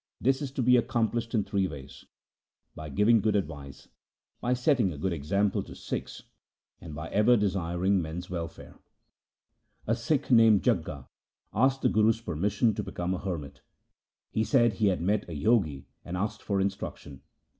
This is to be accomplished in three ways : By giving good advice, by setting a good example to Sikhs, and by ever desiring men's welfare.' g 2 84 THE SIKH RELIGION A Sikh named Jagga asked the Guru's permission to become a hermit. He said he had met a Jogi and asked him for instruction.